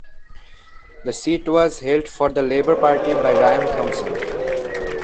The seat was held for the Labour Party by Ryan Thomson.